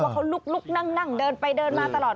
เขาลุกนั่งเดินไปเดินมาตลอด